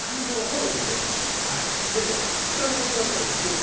でも独り言だから内向き。